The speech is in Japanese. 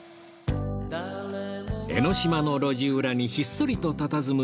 江の島の路地裏にひっそりとたたずむ